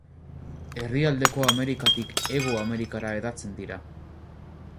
Erdialdeko Amerikatik Hego Amerikara hedatzen dira.